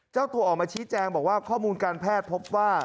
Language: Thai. เจ้าตัวออกมาชี้แจงบอกว่าข้อมูลการแพทย์พบว่า